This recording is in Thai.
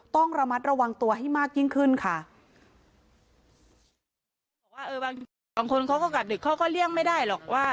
ต้องระมัดระวังตัวให้มากยิ่งขึ้นค่ะ